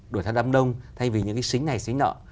đuổi theo đám đông thay vì những cái xính này xính nợ